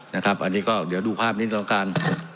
นะครับอันนี้ก็เดี๋ยวดูภาพนี้ดีกว่าล่ะครับ